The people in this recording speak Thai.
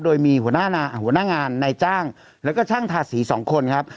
โดยมีหัวหน้างานนายจ้างแล้วก็ช่างทาสีสองคนครับ